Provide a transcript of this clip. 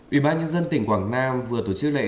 ủy ban nhân dân tỉnh quảng nam vừa tổ chức lễ